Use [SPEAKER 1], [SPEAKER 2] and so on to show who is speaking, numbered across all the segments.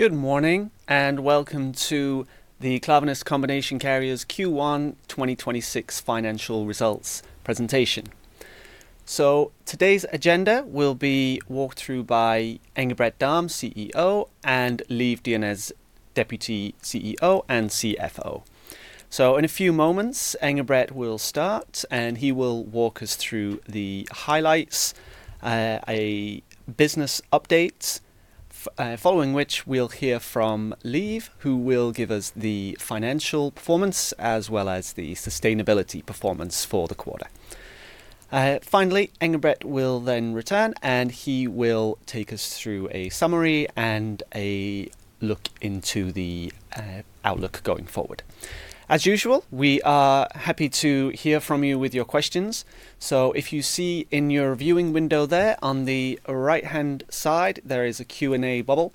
[SPEAKER 1] Good morning, and welcome to the Klaveness Combination Carriers Q1 2026 financial results presentation. Today's agenda will be walked through by Engebret Dahm, CEO, and Liv Dyrnes, Deputy CEO and CFO. In a few moments, Engebret will start, and he will walk us through the highlights, a business update, following which we'll hear from Liv, who will give us the financial performance as well as the sustainability performance for the quarter. Finally, Engebret will then return, and he will take us through a summary and a look into the outlook going forward. As usual, we are happy to hear from you with your questions, so if you see in your viewing window, there on the right-hand side, there is a Q&A bubble.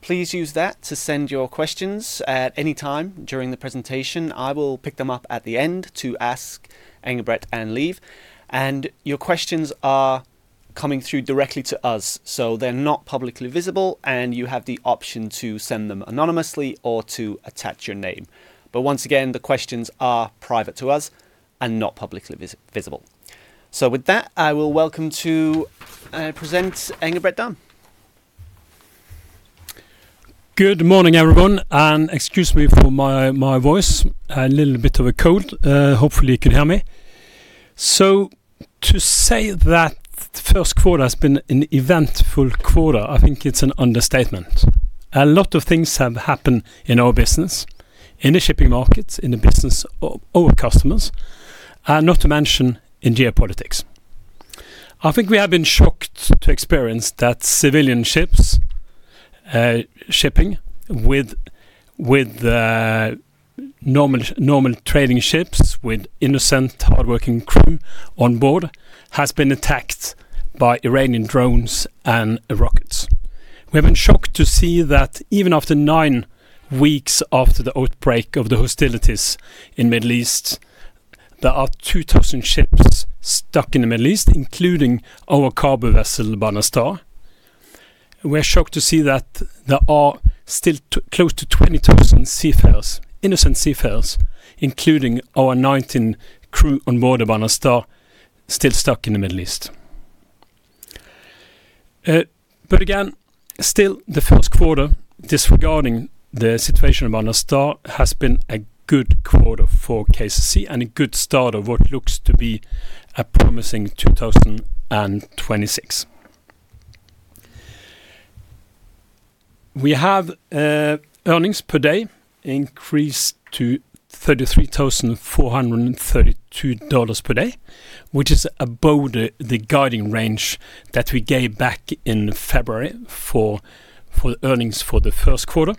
[SPEAKER 1] Please use that to send your questions at any time during the presentation. I will pick them up at the end to ask Engebret and Liv. Your questions are coming through directly to us, so they're not publicly visible, and you have the option to send them anonymously or to attach your name. Once again, the questions are private to us and not publicly visible. With that, I will welcome to present Engebret Dahm.
[SPEAKER 2] Good morning, everyone, and excuse me for my voice. A little bit of a cold. Hopefully you can hear me. To say that the first quarter has been an eventful quarter, I think it's an understatement. A lot of things have happened in our business, in the shipping markets, in the business of our customers, and not to mention in geopolitics. I think we have been shocked to experience that civilian ships shipping with normal trading ships with innocent, hardworking crew on board has been attacked by Iranian drones and rockets. We have been shocked to see that even after nine weeks after the outbreak of the hostilities in Middle East, there are 2,000 ships stuck in the Middle East, including our cargo vessel, Banastar. We're shocked to see that there are still close to 20,000 seafarers, innocent seafarers, including our 19 crew on board of Banastar, still stuck in the Middle East. Again, the first quarter, disregarding the situation of Banastar, has been a good quarter for KCC and a good start of what looks to be a promising 2026. We have earnings per day increased to $33,432 per day, which is above the guiding range that we gave back in February for earnings for the first quarter.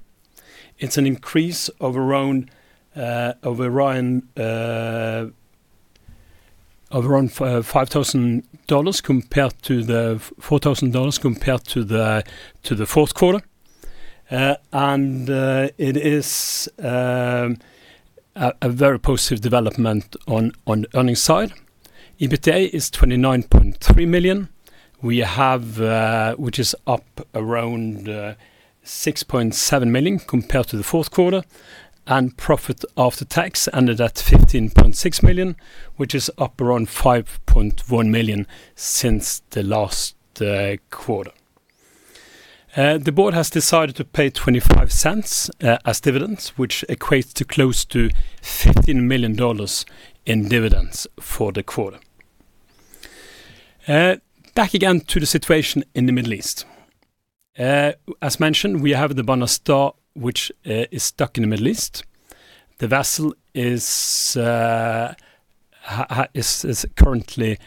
[SPEAKER 2] It's an increase of around $5,000 compared to the $4,000 compared to the fourth quarter. It is a very positive development on earnings side. EBITDA is $29.3 million. We have, which is up around $6.7 million compared to the fourth quarter. Profit after tax ended at $15.6 million, which is up around $5.1 million since the last quarter. The board has decided to pay $0.25 as dividends, which equates to close to $15 million in dividends for the quarter. Back again to the situation in the Middle East. As mentioned, we have the Banastar, which is stuck in the Middle East. The vessel is currently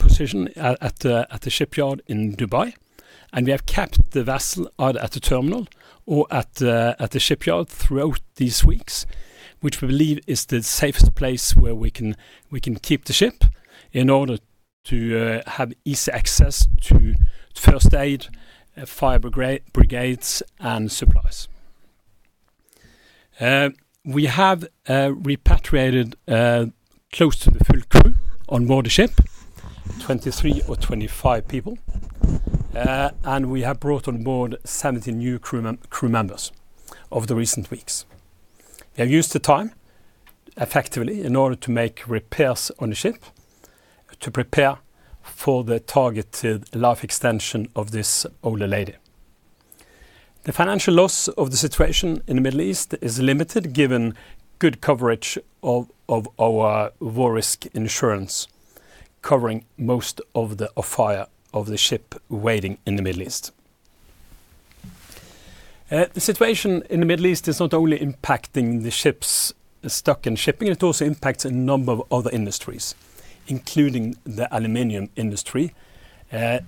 [SPEAKER 2] positioned at the shipyard in Dubai. We have kept the vessel either at the terminal or at the shipyard throughout these weeks, which we believe is the safest place where we can keep the ship in order to have easy access to first aid, fire brigades, and supplies. We have repatriated close to the full crew on board the ship, 23 or 25 people. We have brought on board 70 new crew members over the recent weeks. We have used the time effectively in order to make repairs on the ship to prepare for the targeted life extension of this older lady. The financial loss of the situation in the Middle East is limited, given good coverage of our war risk insurance, covering most of the off-hire of the ship waiting in the Middle East. The situation in the Middle East is not only impacting the ships stuck in shipping, it also impacts a number of other industries, including the aluminum industry, that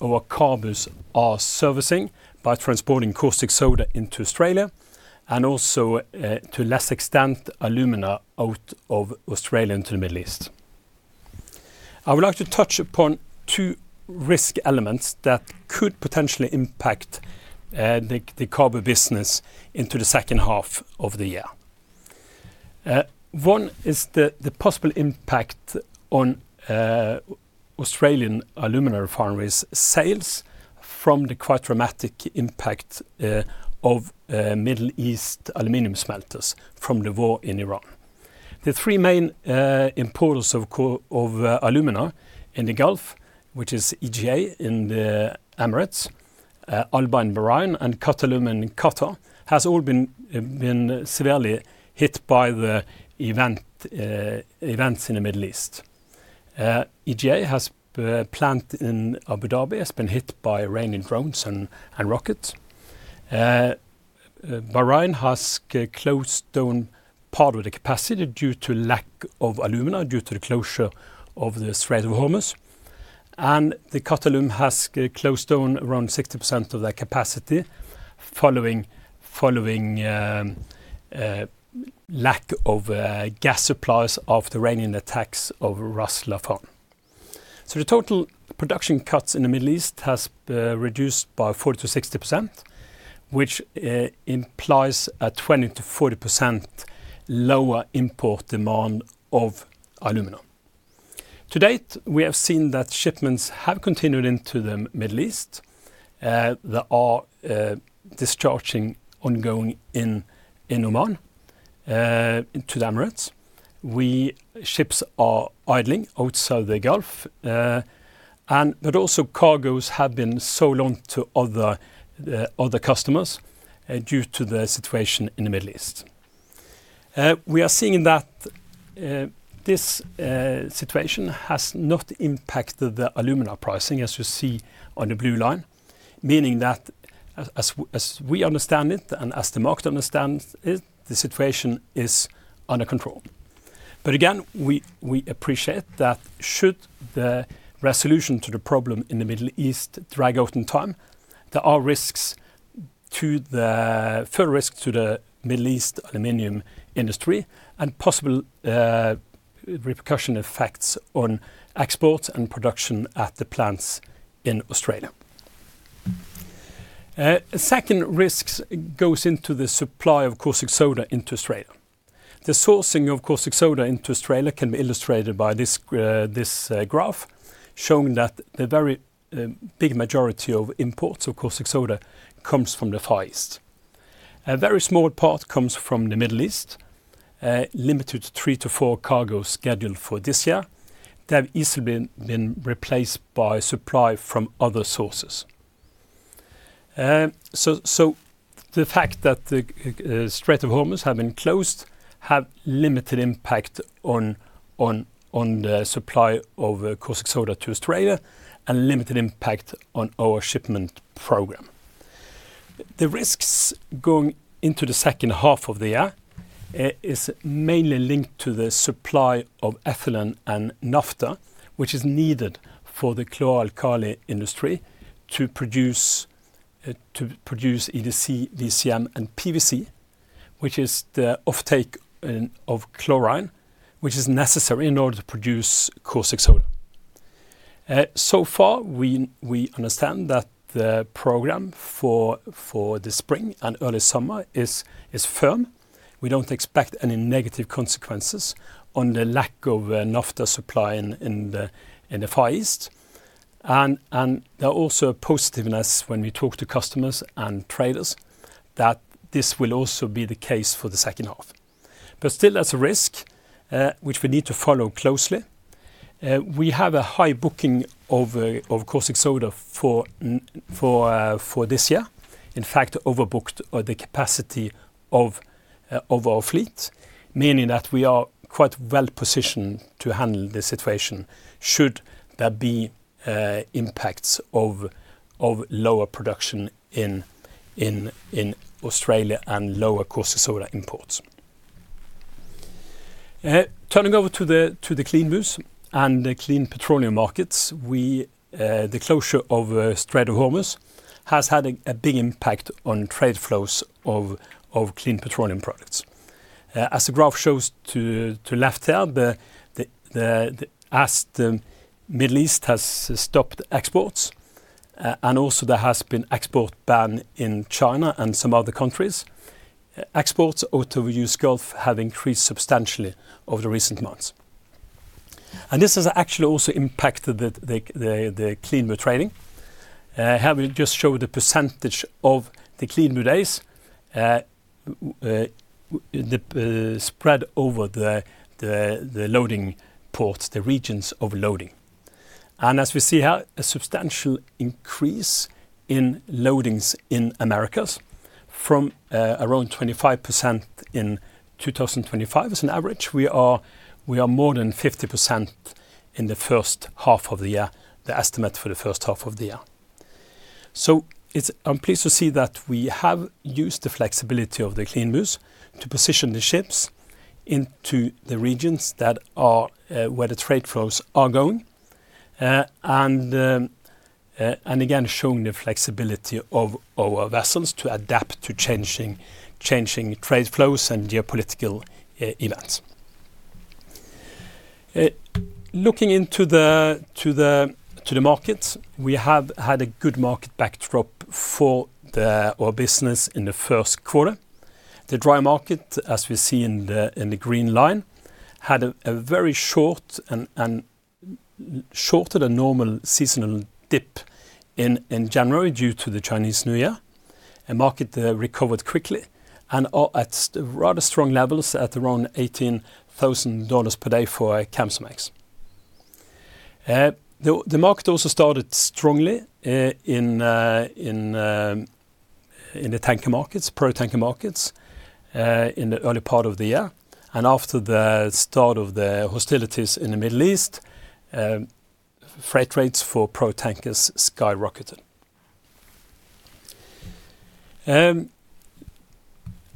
[SPEAKER 2] our cargos are servicing by transporting caustic soda into Australia and also, to a lesser extent, alumina out of Australia into the Middle East. I would like to touch upon two risk elements that could potentially impact the cargo business into the second half of the year. One is the possible impact on Australian alumina refineries' sales from the quite dramatic impact of Middle East aluminum smelters from the war in Iran. The three main importers of alumina in the Gulf, which is EGA in the Emirates, Alba in Bahrain, and Qatalum in Qatar, has all been severely hit by the events in the Middle East. EGA's plant in Abu Dhabi has been hit by Iranian drones and rockets. Bahrain has closed down part of the capacity due to lack of alumina, due to the closure of the Strait of Hormuz. Qatalum has closed down around 60% of their capacity following lack of gas supplies due to the Iranian attacks on Ras Laffan. The total production cuts in the Middle East has reduced by 40%-60%, which implies a 20%-40% lower import demand of alumina. To date, we have seen that shipments have continued into the Middle East. There are discharging ongoing in Oman into the Emirates. Ships are idling outside the Gulf. Cargoes have been sold on to other customers due to the situation in the Middle East. We are seeing that this situation has not impacted the alumina pricing, as you see on the blue line. Meaning that, as we understand it and as the market understands it, the situation is under control. Again, we appreciate that should the resolution to the problem in the Middle East drag out in time, there are further risks to the Middle East aluminum industry and possible repercussion effects on exports and production at the plants in Australia. Second risks goes into the supply of caustic soda into Australia. The sourcing of caustic soda into Australia can be illustrated by this graph showing that the very big majority of imports of caustic soda comes from the Far East. A very small part comes from the Middle East, limited to 3-4 cargoes scheduled for this year that have easily been replaced by supply from other sources. The fact that the Strait of Hormuz have been closed have limited impact on the supply of caustic soda to Australia and limited impact on our shipment program. The risks going into the second half of the year is mainly linked to the supply of ethylene and naphtha, which is needed for the chlor-alkali industry to produce EDC, DCM, and PVC, which is the offtake of chlorine, which is necessary in order to produce caustic soda. So far, we understand that the program for the spring and early summer is firm. We don't expect any negative consequences on the lack of naphtha supply in the Far East. There are also positives when we talk to customers and traders, that this will also be the case for the second half. Still, there's a risk, which we need to follow closely. We have a high booking of caustic soda for this year. In fact, overbooked the capacity of our fleet, meaning that we are quite well positioned to handle the situation should there be impacts of lower production in Australia and lower caustic soda imports. Turning over to the CLEANBUs and the clean petroleum markets, the closure of Strait of Hormuz has had a big impact on trade flows of clean petroleum products. As the graph shows to the left here, the Middle East has stopped exports, and also there has been an export ban in China and some other countries, exports out of the U.S. Gulf have increased substantially over the recent months. This has actually also impacted the CLEANBU trading. Here we just show the percentage of the CLEANBUs, the spread over the loading ports, the regions of loading. As we see here, a substantial increase in loadings in the Americas from around 25% in 2025, as an average. We are more than 50% in the first half of the year, the estimate for the first half of the year. I'm pleased to see that we have used the flexibility of the CLEANBUs to position the ships into the regions that are where the trade flows are going. Again, showing the flexibility of our vessels to adapt to changing trade flows and geopolitical events. Looking into the market, we have had a good market backdrop for our business in the first quarter. The dry market, as we see in the green line, had a very short and shorter than normal seasonal dip in January due to the Chinese New Year, and the market recovered quickly and are at rather strong levels at around $18,000 per day for a Capesize. The market also started strongly in the tanker markets, product tanker markets, in the early part of the year. After the start of the hostilities in the Middle East, freight rates for product tankers skyrocketed.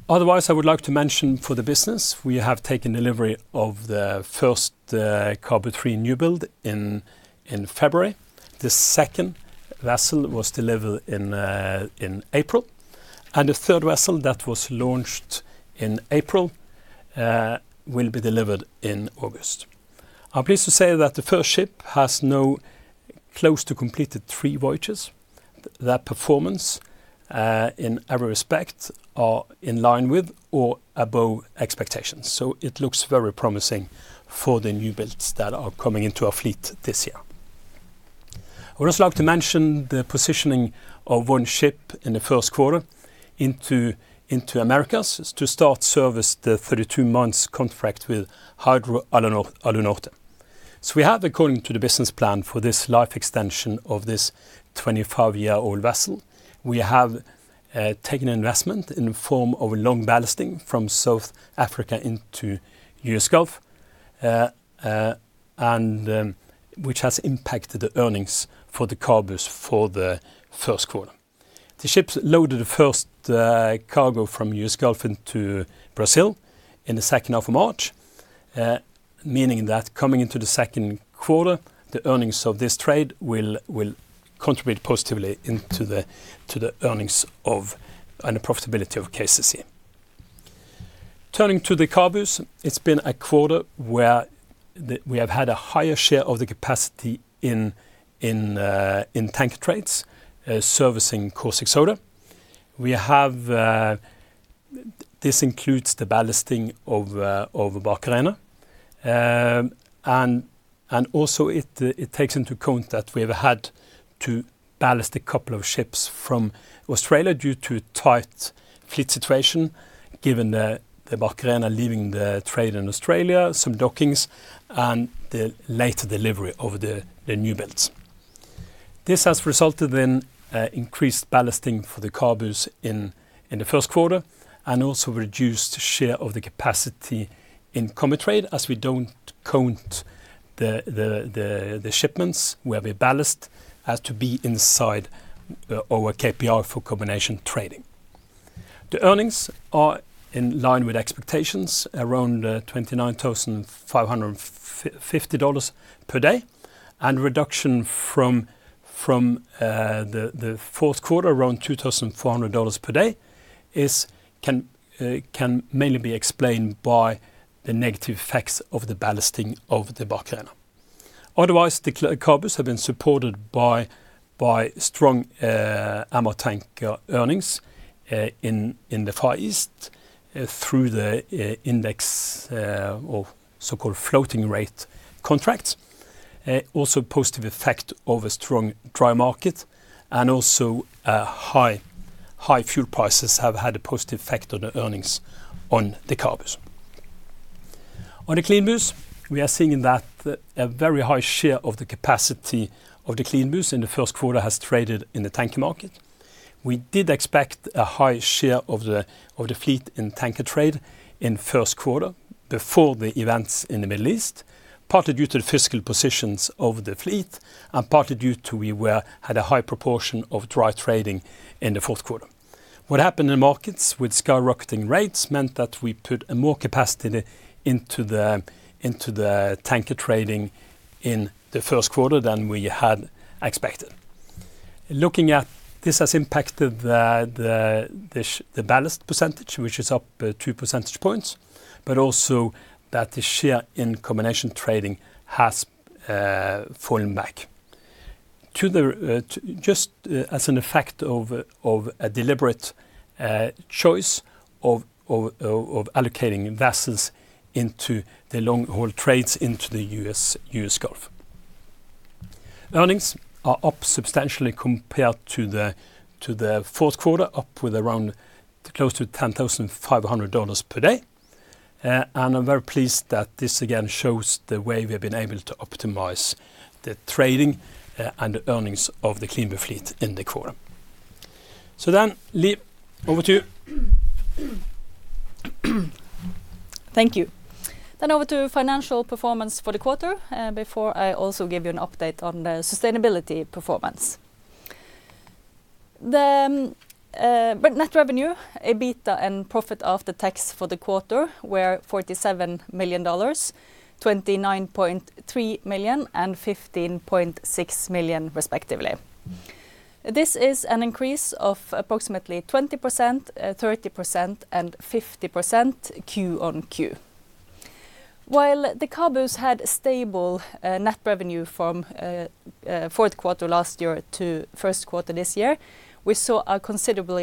[SPEAKER 2] Otherwise, I would like to mention for the business, we have taken delivery of the first CABU III newbuild in February. The second vessel was delivered in April. The third vessel that was launched in April will be delivered in August. I'm pleased to say that the first ship has now close to completed three voyages. That performance in every respect is in line with or above expectations. It looks very promising for the newbuilds that are coming into our fleet this year. I would also like to mention the positioning of one ship in the first quarter into Americas. It's to start service the 32 months contract with Hydro Alunorte. We have, according to the business plan for this life extension of this 25-year-old vessel, taken investment in the form of a long ballasting from South Africa into U.S. Gulf, and which has impacted the earnings for the CABUs for the first quarter. The ships loaded the first cargo from U.S. Gulf into Brazil in the second half of March, meaning that coming into the second quarter, the earnings of this trade will contribute positively to the earnings and the profitability of KCC. Turning to the CABUs, it's been a quarter where we have had a higher share of the capacity in tank trades servicing caustic soda. This includes the ballasting of Barcarena. Also, it takes into account that we have had to ballast a couple of ships from Australia due to tight fleet situation, given the Barcarena leaving the trade in Australia, some dockings, and the later delivery of the newbuilds. This has resulted in increased ballasting for the CABUs in the first quarter, and also reduced share of the capacity in combitrade as we don't count the shipments where we ballast as to be inside our KPI for combination trading. The earnings are in line with expectations, around $29,550 per day. Reduction from the fourth quarter, around $2,400 per day, can mainly be explained by the negative effects of the ballasting of the Barcarena. Otherwise, the CABUs have been supported by strong MR tanker earnings in the Far East through the index or so-called floating rate contracts. Also positive effect of a strong dry market, and also high fuel prices have had a positive effect on the earnings on the CABUs. On the CLEANBUs, we are seeing that a very high share of the capacity of the CLEANBUs in the first quarter has traded in the tanker market. We did expect a high share of the fleet in tanker trade in the first quarter, before the events in the Middle East, partly due to the physical positions of the fleet, and partly due to we had a high proportion of dry trading in the fourth quarter. What happened in markets with skyrocketing rates meant that we put more capacity into the tanker trading in the first quarter than we had expected. Looking at this has impacted the ballast percentage, which is up two percentage points, but also that the share in combination trading has fallen back to just as an effect of a deliberate choice of allocating vessels into the long-haul trades into the U.S. Gulf. Earnings are up substantially compared to the fourth quarter, up with around close to $10,500 per day. I'm very pleased that this again shows the way we have been able to optimize the trading and the earnings of the CLEANBU fleet in the quarter. Liv, over to you.
[SPEAKER 3] Thank you. Over to financial performance for the quarter, before I also give you an update on the sustainability performance. The net revenue, EBITDA and profit after tax for the quarter were $47 million, $29.3 million, and $15.6 million, respectively. This is an increase of approximately 20%, 30%, and 50% QoQ. While the CABUs had stable net revenue from fourth quarter last year to first quarter this year, we saw a considerable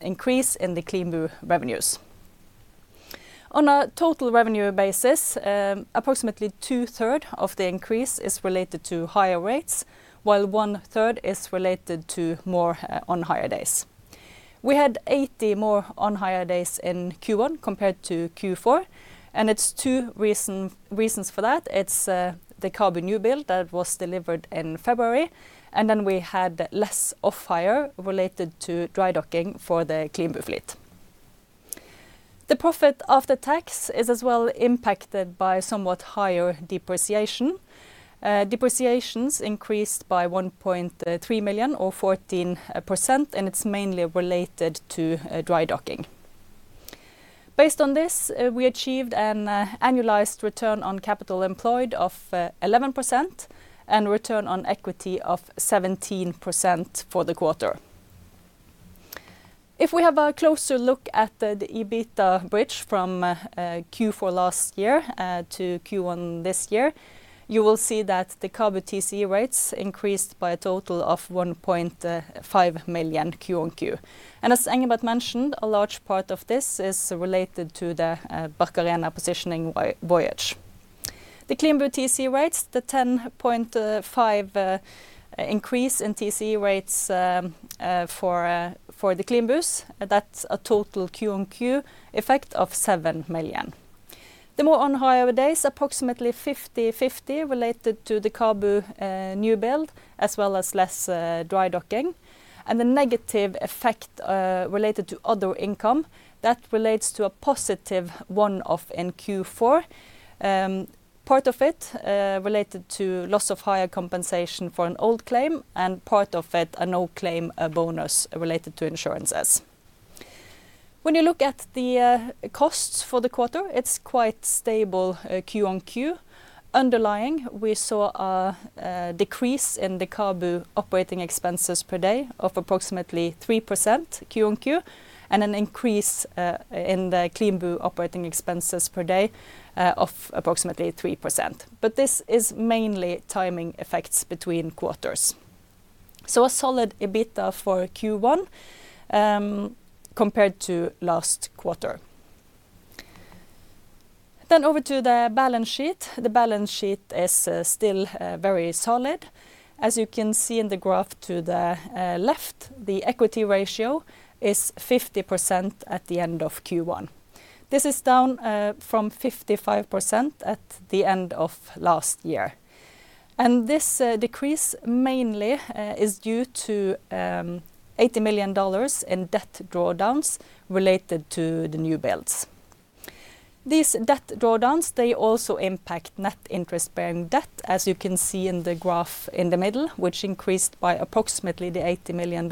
[SPEAKER 3] increase in the CLEANBU revenues. On a total revenue basis, approximately 2/3 of the increase is related to higher rates, while 1/3 is related to more on-hire days. We had 80 more on-hire days in Q1 compared to Q4, and it's two reasons for that. It's the CABU new build that was delivered in February, and then we had less off-hire related to dry docking for the CLEANBU fleet. The profit after tax is as well impacted by somewhat higher depreciation. Depreciations increased by $1.3 million or 14%, and it's mainly related to dry docking. Based on this, we achieved an annualized return on capital employed of 11% and return on equity of 17% for the quarter. If we have a closer look at the EBITDA bridge from Q4 last year to Q1 this year, you will see that the CABU TCE rates increased by a total of $1.5 million QoQ. As Engebret mentioned, a large part of this is related to the Barcarena positioning voyage. The CLEANBU TCE rates, the 10.5 increase in TCE rates for the CLEANBUs, that's a total QoQ effect of $7 million. The more on-hire days, approximately 50/50 related to the CABU new build, as well as less dry docking, and the negative effect related to other income, that relates to a positive one-off in Q4. Part of it related to loss of higher compensation for an old claim, and part of it a no-claim bonus related to insurances. When you look at the costs for the quarter, it's quite stable QoQ. Underlying, we saw a decrease in the CABU operating expenses per day of approximately 3% QoQ, and an increase in the CLEANBU operating expenses per day of approximately 3%. This is mainly timing effects between quarters. A solid EBITDA for Q1 compared to last quarter. Over to the balance sheet. The balance sheet is still very solid. As you can see in the graph to the left, the equity ratio is 50% at the end of Q1. This is down from 55% at the end of last year. This decrease mainly is due to $80 million in debt drawdowns related to the new builds. These debt drawdowns, they also impact net interest-bearing debt, as you can see in the graph in the middle, which increased by approximately the $80 million.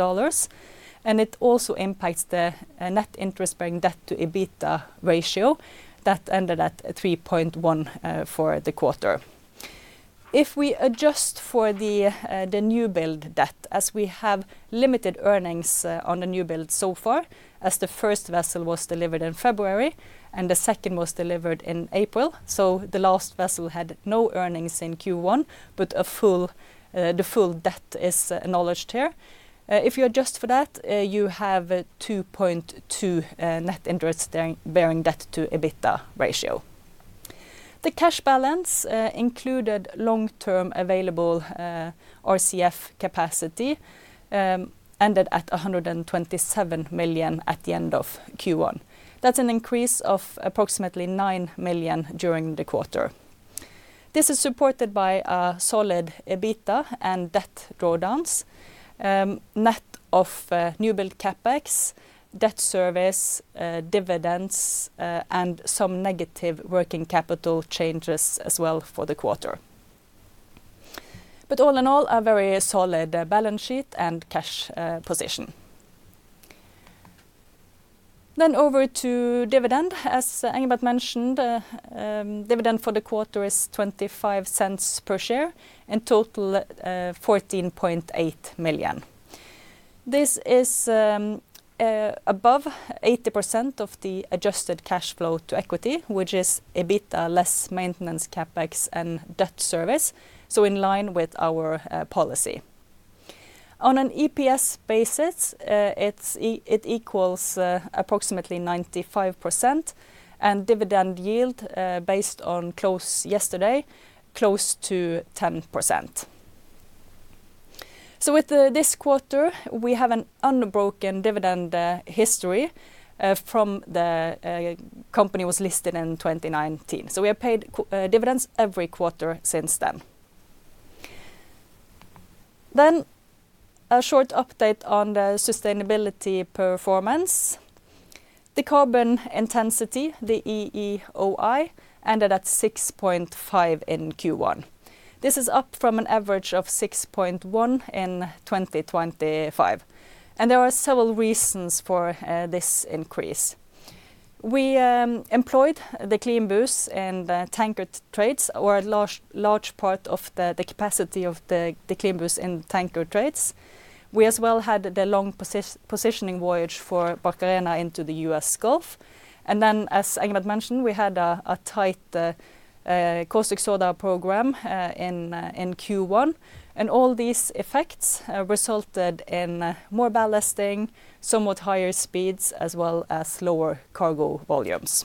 [SPEAKER 3] It also impacts the net interest-bearing debt to EBITDA ratio that ended at 3.1 for the quarter. If we adjust for the new build debt, as we have limited earnings on the new build so far, as the first vessel was delivered in February and the second was delivered in April, so the last vessel had no earnings in Q1, but the full debt is acknowledged here. If you adjust for that, you have a 2.2 net interest-bearing debt to EBITDA ratio. The cash balance included long-term available RCF capacity, ended at $127 million at the end of Q1. That's an increase of approximately $9 million during the quarter. This is supported by a solid EBITDA and debt drawdowns net of new build CapEx, debt service, dividends, and some negative working capital changes as well for the quarter. All in all, a very solid balance sheet and cash position. Over to dividend. As Engebret mentioned, dividend for the quarter is $0.25 per share and total $14.8 million. This is above 80% of the adjusted cash flow to equity, which is a bit less maintenance CapEx and debt service, so in line with our policy. On an EPS basis, it equals approximately 95% and dividend yield, based on close yesterday, close to 10%. With this quarter, we have an unbroken dividend history from when the company was listed in 2019. We have paid dividends every quarter since then. A short update on the sustainability performance. The carbon intensity, the EEOI, ended at 6.5 in Q1. This is up from an average of 6.1 in 2025, and there are several reasons for this increase. We employed the CLEANBUs in the tanker trades for a large part of the capacity of the CLEANBUs in tanker trades. We as well had the long positioning voyage for Barcarena into the U.S. Gulf. As Engebret mentioned, we had a tight caustic soda program in Q1, and all these effects resulted in more ballasting, somewhat higher speeds, as well as lower cargo volumes.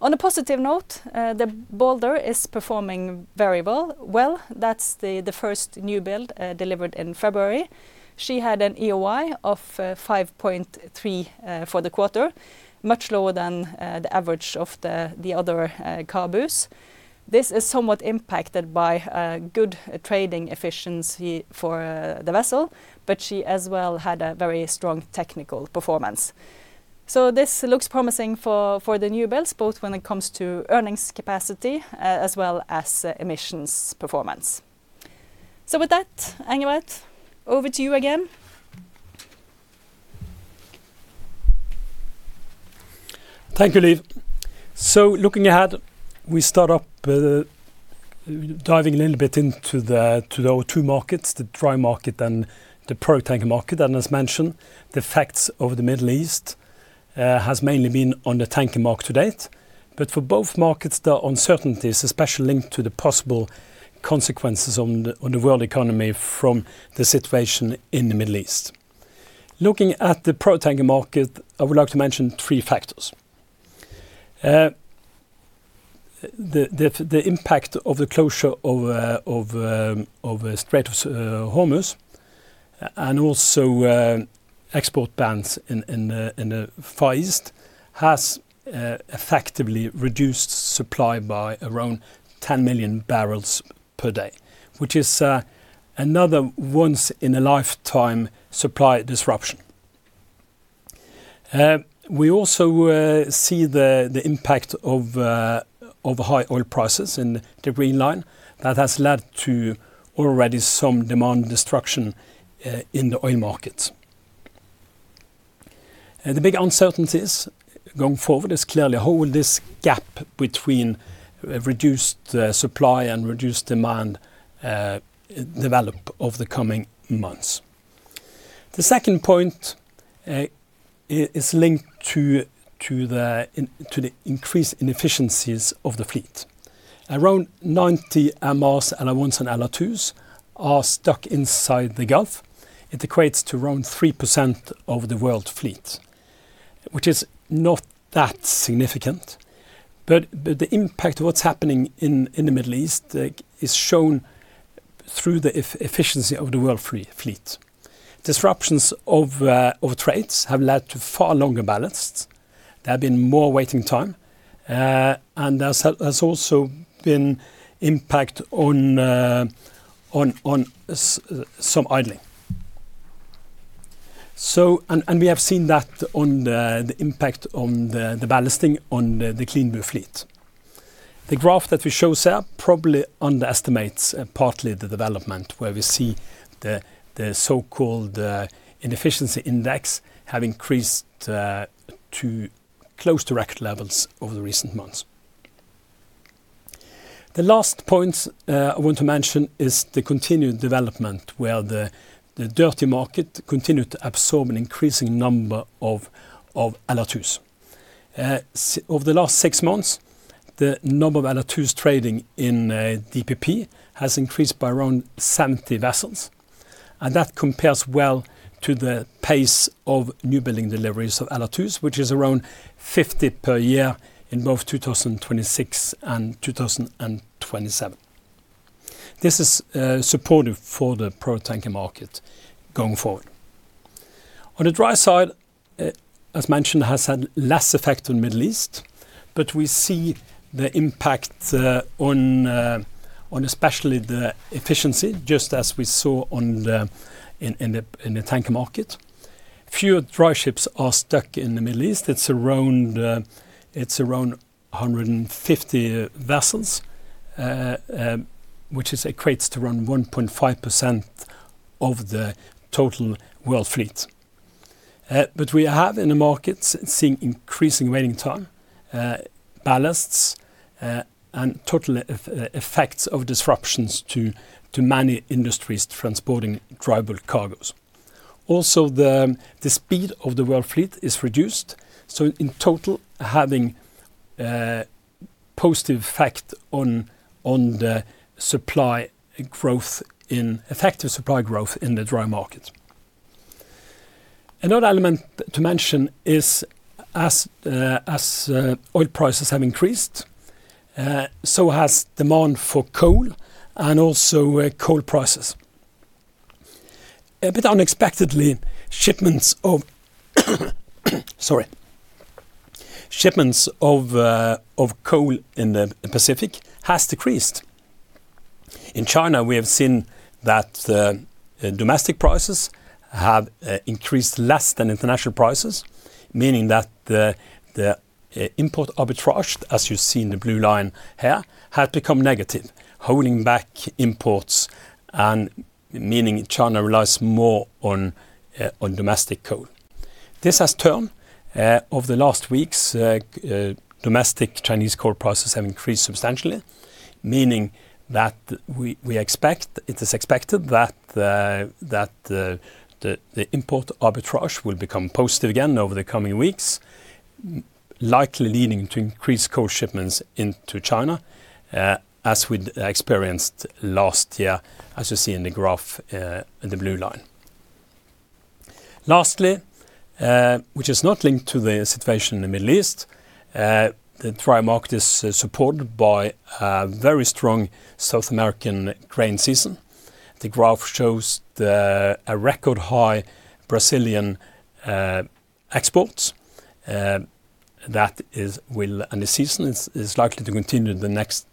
[SPEAKER 3] On a positive note, the Balder is performing very well. Well, that's the first new build delivered in February. She had an EEOI of 5.3 for the quarter, much lower than the average of the other CABUs. This is somewhat impacted by good trading efficiency for the vessel, but she as well had a very strong technical performance. This looks promising for the new builds, both when it comes to earnings capacity as well as emissions performance. With that, Engebret, over to you again.
[SPEAKER 2] Thank you, Liv. Looking ahead, we start up diving a little bit into the to our two markets, the dry market and the product tanker market. As mentioned, the effects of the Middle East has mainly been on the tanker market to date. For both markets, the uncertainties, especially linked to the possible consequences on the world economy from the situation in the Middle East. Looking at the product tanker market, I would like to mention three factors. The impact of the closure of Strait of Hormuz and also export bans in the Far East has effectively reduced supply by around 10 million barrels per day, which is another once-in-a-lifetime supply disruption. We also see the impact of high oil prices in the green line that has led to already some demand destruction in the oil markets. The big uncertainties going forward is clearly how will this gap between reduced supply and reduced demand develop over the coming months. The second point is linked to the increase in efficiencies of the fleet. Around 90 MRs and LR1s, and LR2s are stuck inside the Gulf. It equates to around 3% of the world fleet, which is not that significant. But the impact of what's happening in the Middle East, like, is shown through the efficiency of the world fleet. Disruptions of trades have led to far longer ballasts. There have been more waiting times, and there has also been impact on some idling. We have seen that on the impact on the ballasting on the CLEANBU fleet. The graph that we show here probably underestimates partly the development, where we see the so-called inefficiency index has increased to close to record levels over the recent months. The last point I want to mention is the continued development, where the dirty market continued to absorb an increasing number of LR2s. Over the last six months, the number of LR2s trading in DPP has increased by around 70 vessels, and that compares well to the pace of newbuilding deliveries of LR2s, which is around 50 per year in both 2026 and 2027. This is supportive for the product tanker market going forward. On the dry side, as mentioned, has had less effect on Middle East, but we see the impact on especially the efficiency, just as we saw in the tanker market. Fewer dry ships are stuck in the Middle East. It's around 150 vessels, which equates to around 1.5% of the total world fleet. But we have in the markets seen increasing waiting time, ballasts, and total effects of disruptions to many industries transporting dry bulk cargos. Also, the speed of the world fleet is reduced. In total, having a positive effect on effective supply growth in the dry market. Another element to mention is, as oil prices have increased, so has demand for coal and also coal prices. A bit unexpectedly, shipments of coal in the Pacific has decreased. In China, we have seen that domestic prices have increased less than international prices, meaning that the import arbitrage, as you see in the blue line here, had become negative, holding back imports and meaning China relies more on domestic coal. This has turned in the last weeks, like domestic Chinese coal prices have increased substantially, meaning that it is expected that the import arbitrage will become positive again over the coming weeks, likely leading to increased coal shipments into China, as we experienced last year, as you see in the graph, in the blue line. Lastly, which is not linked to the situation in the Middle East, the dry market is supported by a very strong South American grain season. The graph shows a record high Brazilian exports, and the season is likely to continue the next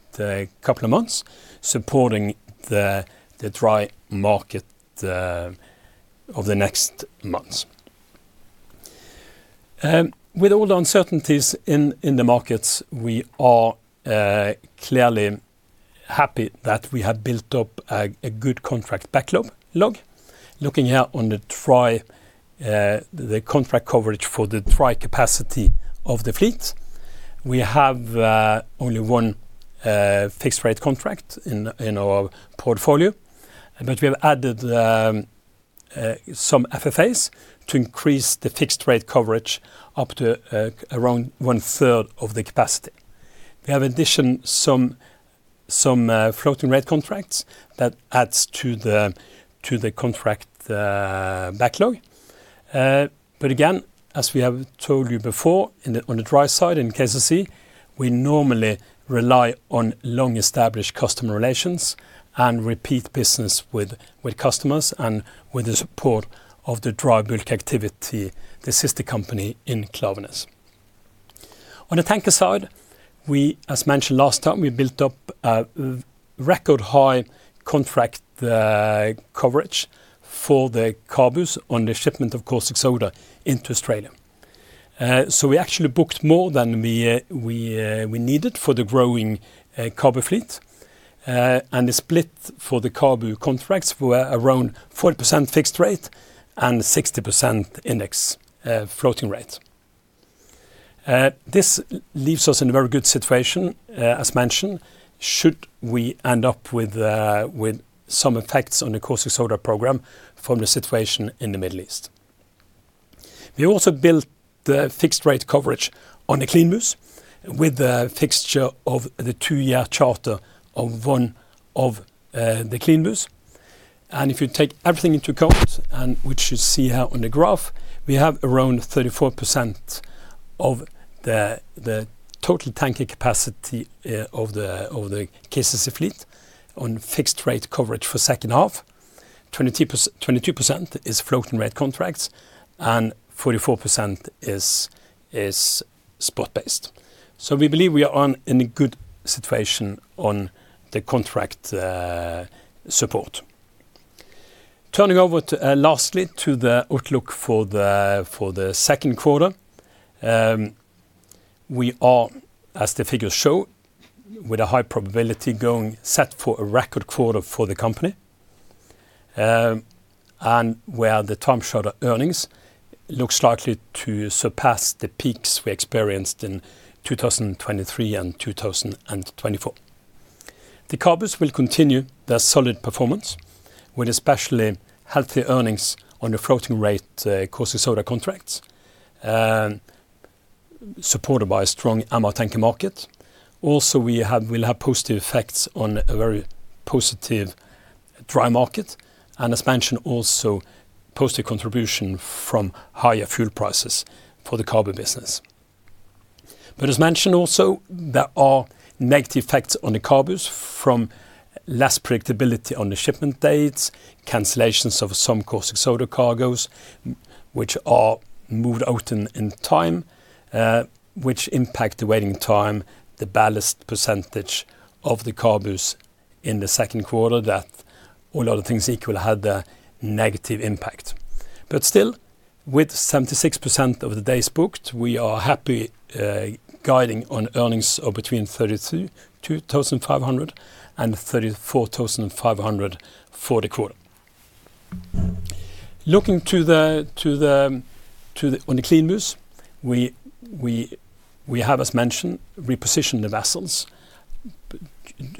[SPEAKER 2] couple of months, supporting the dry market of the next months. With all the uncertainties in the markets, we are clearly happy that we have built up a good contract backlog. Looking out on the dry, the contract coverage for the dry capacity of the fleet, we have only one fixed rate contract in our portfolio, but we have added some FFAs to increase the fixed rate coverage up to around one-third of the capacity. We have, in addition, some floating rate contracts that adds to the contract backlog. Again, as we have told you before, on the dry side, in KCC, we normally rely on long-established customer relations and repeat business with customers and with the support of the dry bulk activity, the sister company in Klaveness. On the tanker side, as mentioned last time, we built up record-high contract coverage for the CABU on the shipment of caustic soda into Australia. We actually booked more than we needed for the growing CABU fleet, and the split for the CABU contracts were around 40% fixed rate and 60% index floating rate. This leaves us in a very good situation, as mentioned, should we end up with some effects on the caustic soda program from the situation in the Middle East. We also built the fixed rate coverage on the CLEANBU with the fixture of the two-year charter of one of the CLEANBUs. If you take everything into account, and which you see here on the graph, we have around 34% of the total tanker capacity of the KCC fleet on fixed rate coverage for second half, 22% is floating rate contracts, and 44% is spot-based. We believe we are in a good situation on the contract support. Turning over lastly to the outlook for the second quarter, we are, as the figures show, with a high probability set for a record quarter for the company, and where the time charter earnings looks likely to surpass the peaks we experienced in 2023 and 2024. The CABUs will continue their solid performance with especially healthy earnings on the floating rate caustic soda contracts and supported by a strong MR tanker market. We'll have positive effects on a very positive dry market, and as mentioned, also a positive contribution from higher fuel prices for the CABU business. As mentioned also, there are negative effects on the CABUs from less predictability on the shipment dates, cancellations of some caustic soda cargos, which are moved out in time, which impact the waiting time, the ballast percentage of the CABUs in the second quarter that all other things equal, had a negative impact. Still, with 76% of the days booked, we are happy guiding on earnings of between $32,500 and $34,500 for the quarter. Looking to the CLEANBUs, we have, as mentioned, repositioned the vessels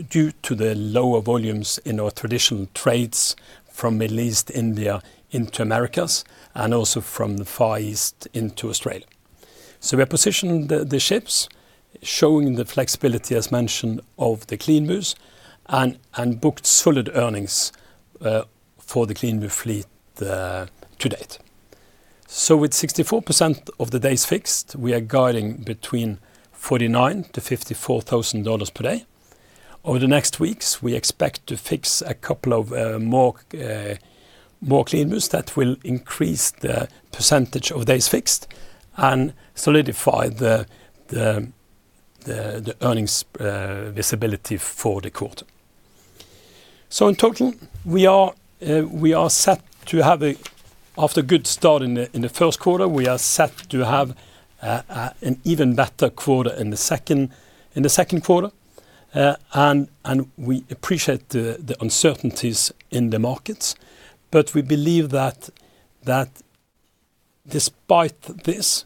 [SPEAKER 2] due to the lower volumes in our traditional trades from Middle East, India, into Americas, and also from the Far East into Australia. We are positioning the ships, showing the flexibility as mentioned of the CLEANBUs and booked solid earnings for the CLEANBUs fleet to date. With 64% of the days fixed, we are guiding between $49,000-$54,000 per day. Over the next weeks, we expect to fix a couple of more CLEANBUs that will increase the percentage of days fixed and solidify the earnings visibility for the quarter. After a good start in the first quarter, we are set to have an even better quarter in the second quarter. We appreciate the uncertainties in the markets, but we believe that despite this,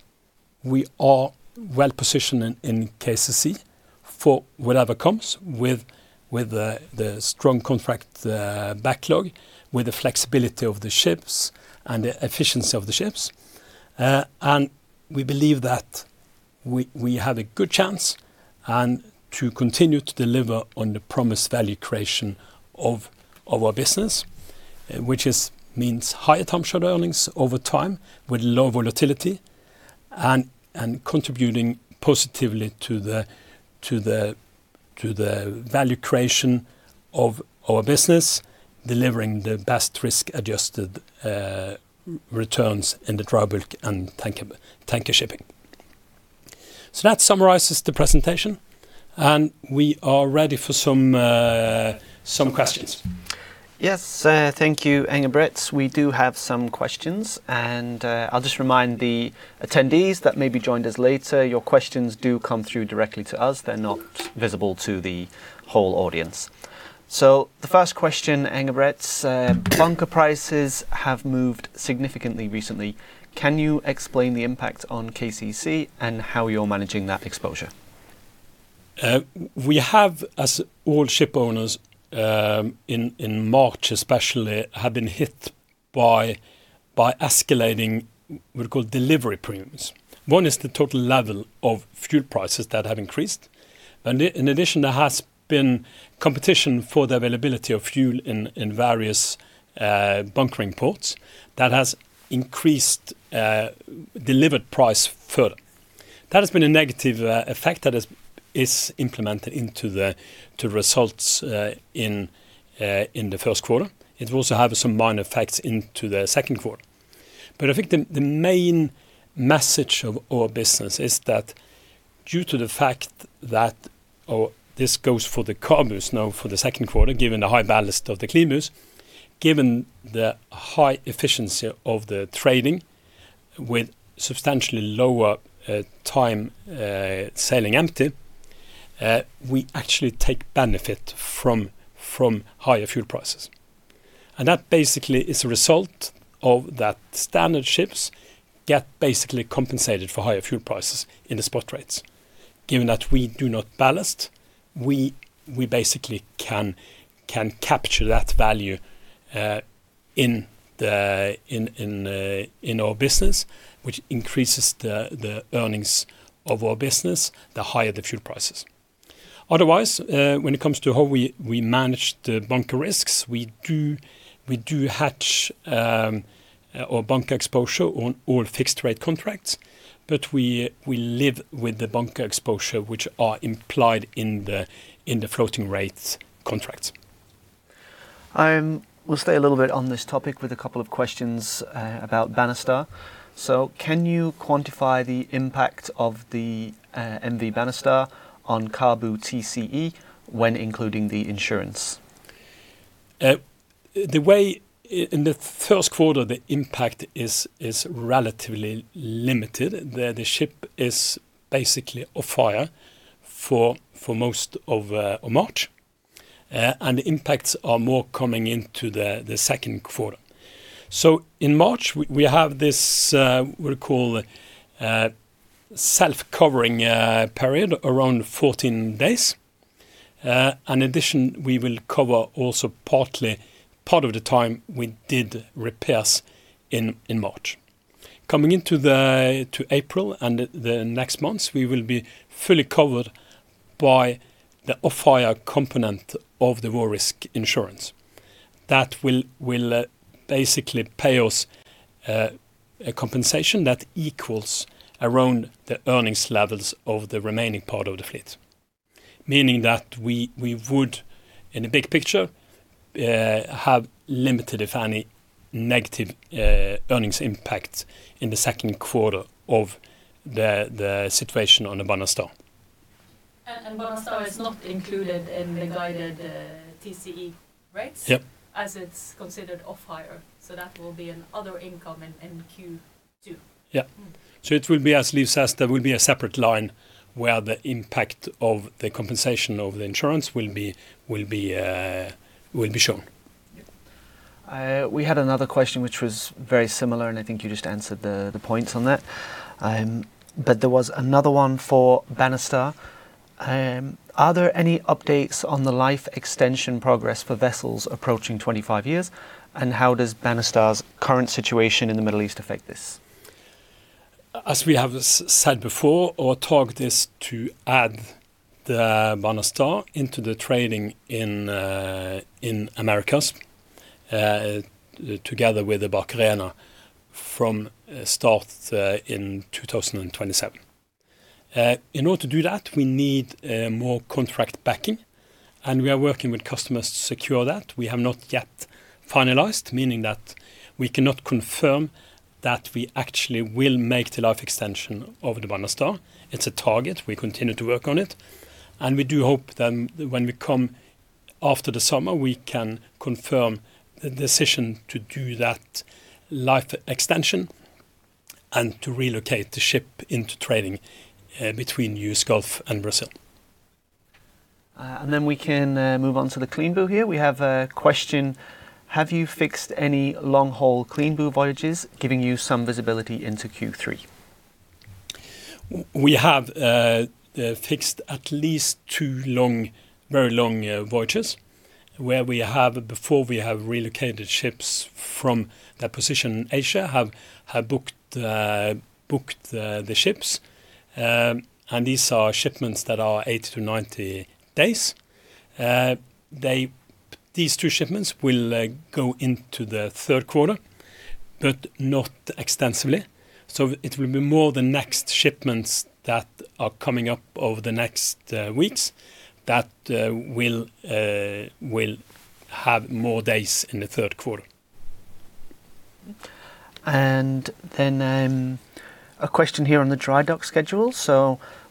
[SPEAKER 2] we are well-positioned in KCC for whatever comes with the strong contract backlog, with the flexibility of the ships and the efficiency of the ships. We believe that we have a good chance to continue to deliver on the promised value creation of our business, which means higher time charter earnings over time with low volatility and contributing positively to the value creation of our business, delivering the best risk-adjusted returns in the dry bulk and tanker shipping. That summarizes the presentation, and we are ready for some questions.
[SPEAKER 1] Some questions. Yes, thank you, Engebret. We do have some questions, and I'll just remind the attendees that, maybe joined us later, your questions do come through directly to us. They're not visible to the whole audience. The first question, Engebret, bunker prices have moved significantly recently. Can you explain the impact on KCC and how you're managing that exposure?
[SPEAKER 2] We have, as all ship owners, in March especially, have been hit by escalating we call delivery premiums. One is the total level of fuel prices that have increased. In addition, there has been competition for the availability of fuel in various bunkering ports that has increased delivered price further. That has been a negative effect that is implemented into the results in the first quarter. It will also have some minor effects into the second quarter. I think the main message of our business is that, due to the fact that, or this goes for the CABUs now, for the second quarter, given the high ballast of the CLEANBUs, given the high efficiency of the trading with substantially lower time sailing empty, we actually take benefit from higher fuel prices. That basically is a result of that standard ships get basically compensated for higher fuel prices in the spot rates. Given that we do not ballast, we basically can capture that value in our business, which increases the earnings of our business, the higher the fuel prices. Otherwise, when it comes to how we manage the bunker risks, we do hedge our bunker exposure on all fixed rate contracts, but we live with the bunker exposure which are implied in the floating rates contracts.
[SPEAKER 1] We'll stay a little bit on this topic with a couple of questions about Banastar. Can you quantify the impact of the MV Banastar on CABU TCE when including the insurance?
[SPEAKER 2] The way in the first quarter, the impact is relatively limited. The ship is basically off-hire for most of March. The impacts are more coming into the second quarter. In March, we have this, we call, self-covering period around 14 days. In addition, we will cover also partly part of the time we did repairs in March. Coming into April and the next months, we will be fully covered by the off-hire component of the war risk insurance. That will basically pay us a compensation that equals around the earnings levels of the remaining part of the fleet. Meaning that we would, in the big picture, have limited, if any, negative earnings impact in the second quarter of the situation on the Banastar.
[SPEAKER 3] Banastar is not included in the guidance TCE, right?
[SPEAKER 2] Yep.
[SPEAKER 3] As it's considered off-hire, so that will be another income in Q2.
[SPEAKER 2] Yeah. It will be as Liv says, there will be a separate line where the impact of the compensation of the insurance will be shown.
[SPEAKER 3] Yep.
[SPEAKER 1] We had another question which was very similar, and I think you just answered the points on that. There was another one for Banastar. Are there any updates on the life extension progress for vessels approaching 25 years? And how does Banastar's current situation in the Middle East affect this?
[SPEAKER 2] As we have said before, our target is to add the Banastar into the trading in the Americas together with the Barcarena from start in 2027. In order to do that, we need more contract backing, and we are working with customers to secure that. We have not yet finalized, meaning that we cannot confirm that we actually will make the life extension of the Banastar. It's a target. We continue to work on it, and we do hope then when we come after the summer, we can confirm the decision to do that life extension to relocate the ship into trading between U.S. Gulf and Brazil.
[SPEAKER 1] We can move on to the CLEANBU here. We have a question: Have you fixed any long-haul CLEANBU voyages giving you some visibility into Q3?
[SPEAKER 2] We have fixed at least two long, very long voyages where we have, before we have relocated ships from their position Asia, have booked the ships. These are shipments that are 80-90 days. These two shipments will go into the third quarter, but not extensively. It will be more the next shipments that are coming up over the next weeks that will have more days in the third quarter.
[SPEAKER 1] A question here on the dry dock schedule.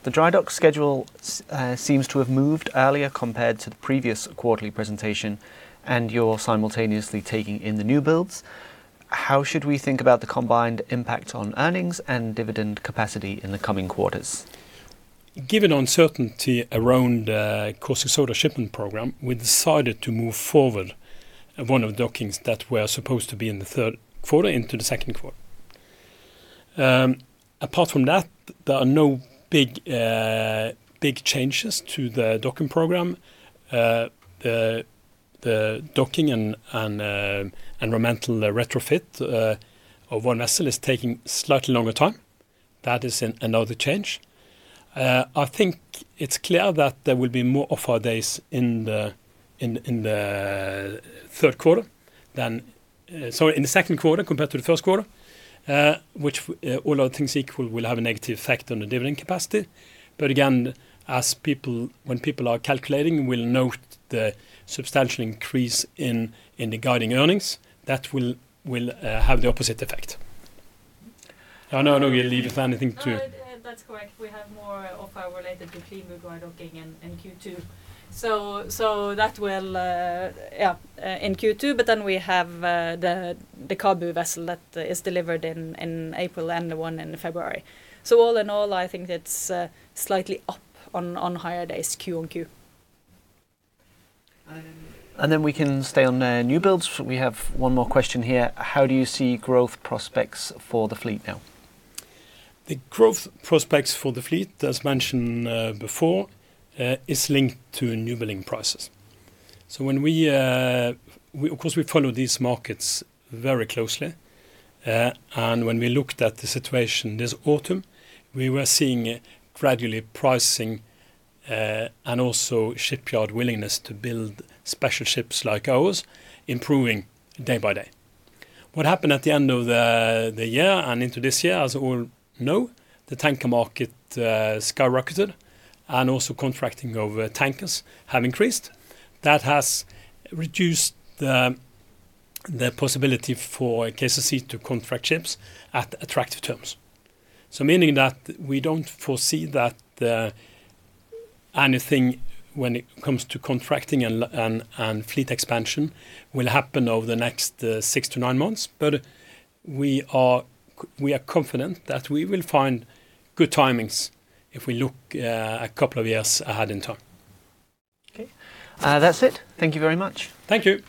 [SPEAKER 1] The dry dock schedule seems to have moved earlier compared to the previous quarterly presentation, and you're simultaneously taking in the new builds. How should we think about the combined impact on earnings and dividend capacity in the coming quarters?
[SPEAKER 2] Given uncertainty around caustic soda shipment program, we decided to move forward one of dockings that were supposed to be in the third quarter into the second quarter. Apart from that, there are no big changes to the docking program. The docking and ammonia-ready retrofit of one vessel is taking slightly longer time. That is another change. I think it's clear that there will be more off-hire days in the second quarter compared to the first quarter, which, all other things equal, will have a negative effect on the dividend capacity. Again, as people, when people are calculating, will note the substantial increase in the guiding earnings, that will have the opposite effect. I don't know, Liv, if you have anything to-
[SPEAKER 3] No. That's correct. We have more of our related to CLEANBU dry docking in Q2. That will in Q2, but then we have the CABU vessel that is delivered in April and the one in February. All in all, I think it's slightly up on-hire days QoQ.
[SPEAKER 1] We can stay on the new builds. We have one more question here: How do you see growth prospects for the fleet now?
[SPEAKER 2] The growth prospects for the fleet, as mentioned before, is linked to new building prices. When we, of course, follow these markets very closely. When we looked at the situation this autumn, we were seeing gradually pricing, and also shipyard willingness to build special ships like ours improving day by day. What happened at the end of the year and into this year, as all know, the tanker market skyrocketed and also contracting of tankers have increased. That has reduced the possibility for KCC to contract ships at attractive terms. Meaning that we don't foresee that anything when it comes to contracting and fleet expansion will happen over the next 6-9 months. We are confident that we will find good timings if we look a couple of years ahead in time.
[SPEAKER 1] Okay. That's it. Thank you very much.
[SPEAKER 2] Thank you.